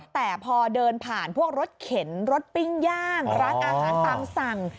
แต่พอเดินผ่านพวกรถเข็นรถปิ้งย่างร้านอาหารตามสั่ง